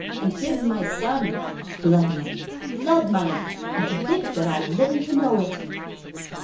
and him my son. Blood money! Blood money! And to think that I'm living to know it."